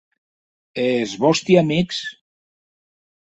E es vòsti amics?